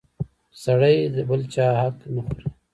سړی د بل چا حق نه خوري!